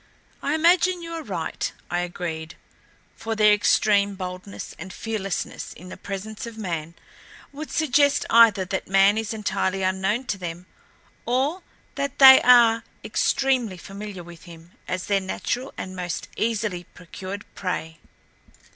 "I imagine you are right," I agreed, "for their extreme boldness and fearlessness in the presence of man would suggest either that man is entirely unknown to them, or that they are extremely familiar with him as their natural and most easily procured prey."